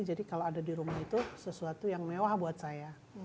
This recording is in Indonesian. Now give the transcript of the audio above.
jadi kalau ada di rumah itu sesuatu yang mewah buat saya